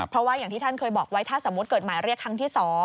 เพราะว่าอย่างที่ท่านเคยบอกไว้ถ้าสมมุติเกิดหมายเรียกครั้งที่๒